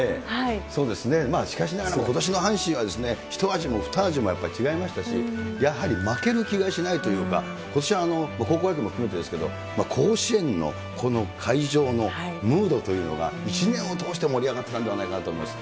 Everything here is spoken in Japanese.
そうですね、しかしながら、ことしの阪神は一味も二味もやっぱり違いましたし、やはり負ける気がしないというか、ことしは高校野球も含めてですけれども、甲子園のこの会場のムードというのが、１年を通して盛り上がってたんじゃないかなと思います。